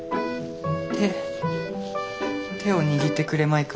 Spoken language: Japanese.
手手を握ってくれまいか。